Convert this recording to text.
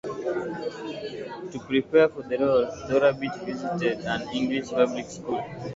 To prepare for the role, Thora Birch visited an English public school.